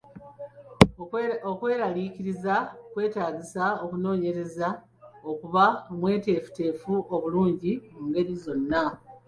Okwekaliriza kwetaagisa omunoonyereza okuba omweteefuteefu obulungi mu ngeri zonna.